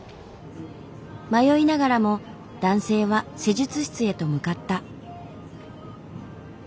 迷いながらも男性は施術室へと向かった。